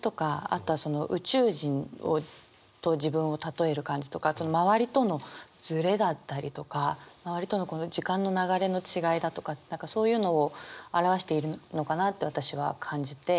あとはその宇宙人と自分を例える感じとか周りとのズレだったりとか周りとの時間の流れの違いだとか何かそういうのを表しているのかなって私は感じて。